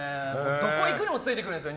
どこ行くにもついてくるんですよ。